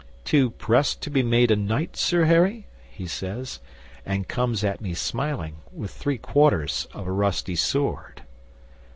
"Too pressed to be made a knight, Sir Harry?" he says, and comes at me smiling, with three quarters of a rusty sword.